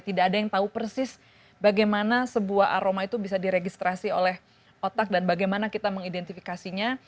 tidak ada yang tahu persis bagaimana sebuah aroma itu bisa diregistrasi oleh otak dan bagaimana kita mengidentifikasinya